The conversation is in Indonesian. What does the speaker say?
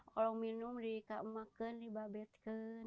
kalau minum dikacau dibabitkan